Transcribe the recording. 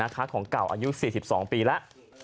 ของเก่าอายุ๔๒ปีแล้ว